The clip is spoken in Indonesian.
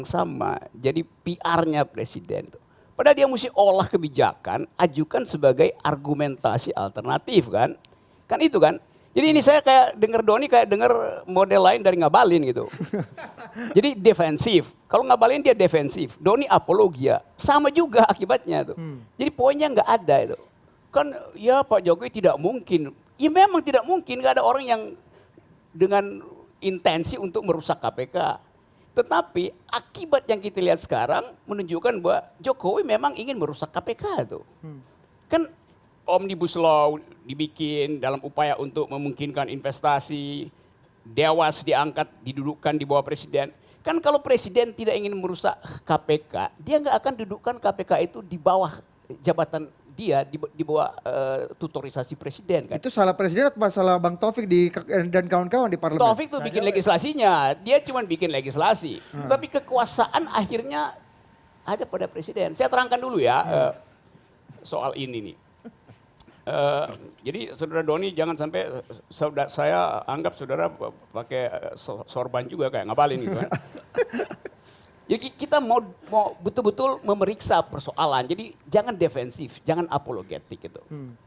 saya tidak bisa berkomentar karena saya kira terlalu terburu buru juga mengatakan bahwa ini sebuah kesengajaan dan konspirasi gitu